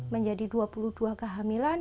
menjadi dua puluh dua kehamilan